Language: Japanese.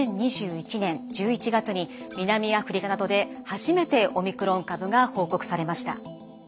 ２０２１年１１月に南アフリカなどで初めてオミクロン株が報告されました。